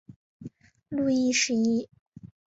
路易十一。